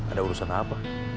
ada urusan apa